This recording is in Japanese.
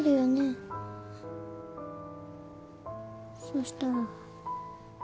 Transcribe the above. そしたら。